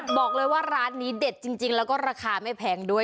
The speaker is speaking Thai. บอกเลยว่าร้านนี้เด็ดจริงแล้วก็ราคาไม่แพงด้วย